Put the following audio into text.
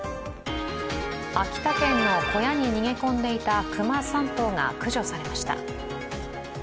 秋田県の小屋に逃げ込んでいた熊３頭が駆除されました。